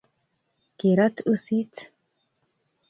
kirat usit